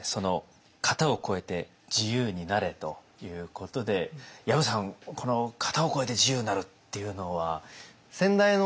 「型をこえて自由になれ！」ということで薮さんこの型をこえて自由になるっていうのは？